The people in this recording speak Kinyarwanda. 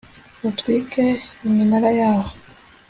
utwike iminara yaho